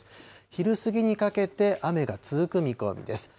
昼過ぎにかけて、雨が続く見込みです。